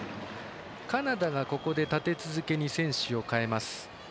カナダが立て続けに選手を代えます。